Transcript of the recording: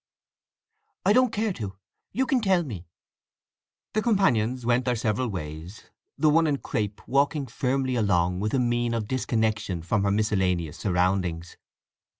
"I don't care to. You can tell me." The companions then went their several ways, the one in crape walking firmly along with a mien of disconnection from her miscellaneous surroundings.